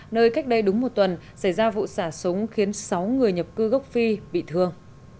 nơi cách đây đúng một tuần xảy ra vụ xả súng khiến sáu người nhập cư gốc phi bị thương